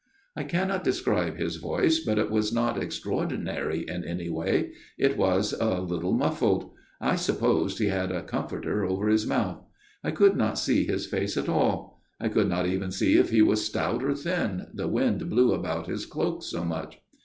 " I cannot describe his voice, but it was not extraordinary in any way ; it was a little muffled : I supposed he had a comforter over his mouth. I could not see his face at all. I could not even see if he was stout or thin, the wind blew about his cloak so much.